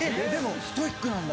ストイックなんだ？